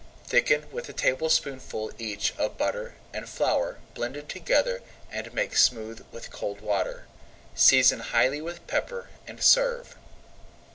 Thicken with a tablespoonful each of butter and flour blended together and made smooth with cold water. Season highly with pepper, and serve.